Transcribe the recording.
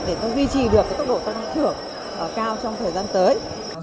để giữ được tốc độ tăng năng thưởng cao trong thời gian tới